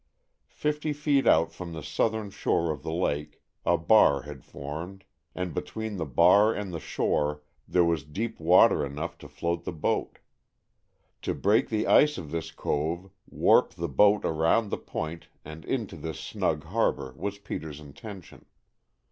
Fifty feet out from the southern shore of the lake a bar had formed, and between the bar and the shore there was deep water enough to float the boat. To break the ice of this cove, warp the boat around the point and into this snug harbor was Peter's intention.